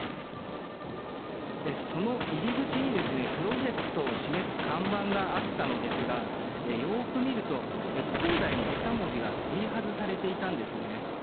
その入り口にプロジェクトを示す看板があったのですがよく見ると恒大の２文字が取り外されていたんです。